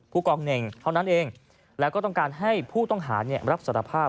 ผู้กองเน่งเท่านั้นเองแล้วก็ต้องการให้ผู้ต้องหารับสารภาพ